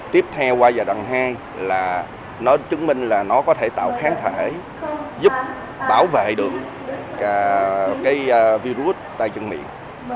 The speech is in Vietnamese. tiếp theo qua giai đoạn hai là nó chứng minh là nó có thể tạo kháng thể giúp bảo vệ được cái virus tay chân miệng